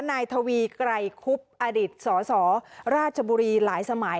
นายทวีไกรคุบอดิษฐสสราชบุรีหลายสมัย